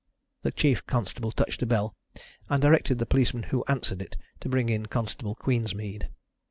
The chief constable touched a bell, and directed the policeman who answered it to bring in Constable Queensmead.